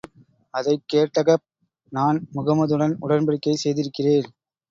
அதைக் கேட்ட கஅப், நான் முஹம்மதுடன் உடன்படிக்கை செய்திருக்கிறேன்.